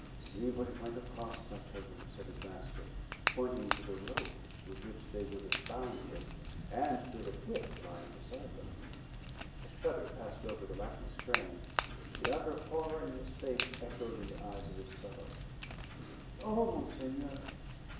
"See what it might have cost, my children," said his master, pointing to the ropes with which they would have bound him and to the whip lying beside them. A shudder passed over the lackey's frame; the utter horror in his face echoed in the eyes of his fellows. "Oh, monseigneur!"